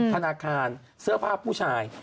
ธนาคารเสื้อผ้าผู้ชาย